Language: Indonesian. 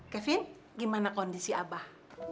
kevin gimana kondisi abah